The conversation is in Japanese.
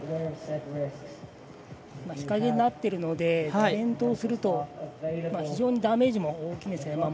日陰になっているので転倒すると、非常にダメージも大きいんですね。